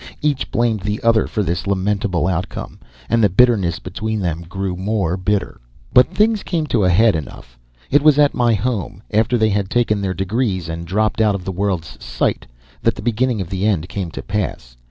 Each blamed the other for this lamentable outcome, and the bitterness between them grew more bitter. But things came to a head enough. It was at my home, after they had taken their degrees and dropped out of the world's sight, that the beginning of the end came to pass.